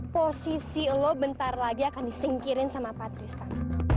posisi elo bentar lagi akan disingkirin sama patristan